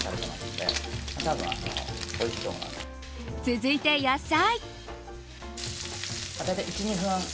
続いて野菜。